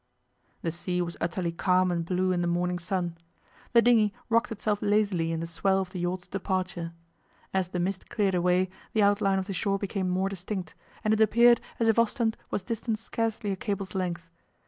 The sea was utterly calm and blue in the morning sun. The dinghy rocked itself lazily in the swell of the yacht's departure. As the mist cleared away the outline of the shore became more distinct, and it appeared as if Ostend was distant scarcely a cable's length.